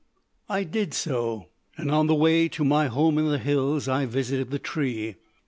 "I did so, and on the way to my home in the hills visited the tree.